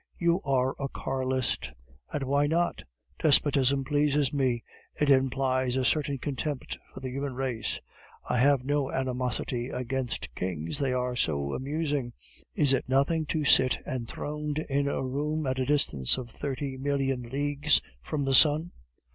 "You are a Carlist." "And why not? Despotism pleases me; it implies a certain contempt for the human race. I have no animosity against kings, they are so amusing. Is it nothing to sit enthroned in a room, at a distance of thirty million leagues from the sun?"